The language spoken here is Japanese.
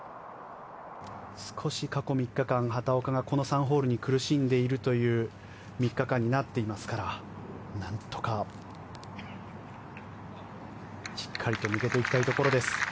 少し過去３日間、畑岡がこの３ホールに苦しんでいるという３日間になっていますからなんとかしっかりと抜けていきたいところです。